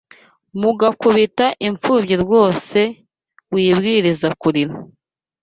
Muga kubita imfubyi rwose wiyibwiriza kurira.